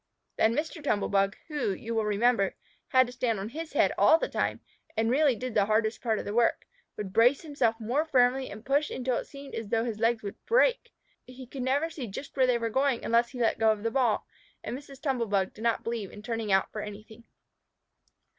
Then Mr. Tumble bug, who, you will remember, had to stand on his head all the time, and really did the hardest part of the work, would brace himself more firmly and push until it seemed as though his legs would break. He could never see just where they were going unless he let go of the ball, and Mrs. Tumble bug did not believe in turning out for anything.